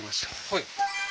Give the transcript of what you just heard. はい